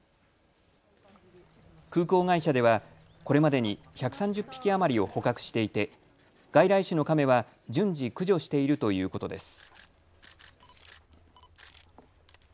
空港会社ではこれまでに１３０匹余りを捕獲していて外来種のカメは順次駆除しているということです。